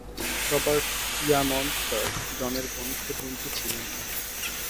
Robert Yeamans sir জনের ঘনিষ্ঠ বন্ধু ছিলেন না।